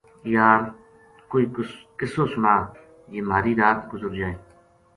یار ! کوئی قصو سنا جی مہاری رات گزر جائے‘‘